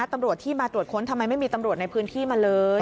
ตำรวจที่มาตรวจค้นทำไมไม่มีตำรวจในพื้นที่มาเลย